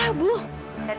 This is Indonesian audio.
aku harus ke sana